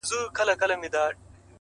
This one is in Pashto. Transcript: وخت د فرصتونو خاموشه ازموینوونکی دی؛